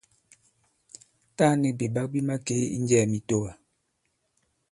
Taa nik bìɓak bi makee i njɛɛ mitowa.